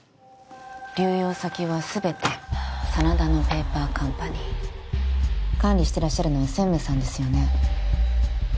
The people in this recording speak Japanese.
流用先は全て真田のペーパーカンパニー管理してらっしゃるのは専務さんですよね？